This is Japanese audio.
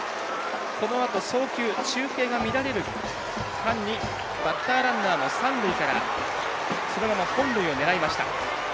このあと送球、中継が乱れる間にバッターランナーも三塁からそのまま本塁を狙いました。